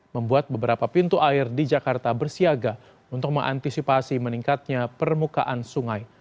membuat beberapa pintu air di jakarta bersiaga untuk mengantisipasi meningkatnya permukaan sungai